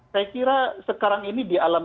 saya kira sekarang ini di alam